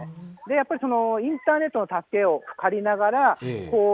やっぱりインターネットの助けを借りながら。